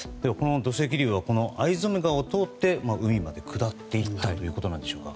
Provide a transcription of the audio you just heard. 土石流は逢初川を通って海まで下っていったということでしょうか。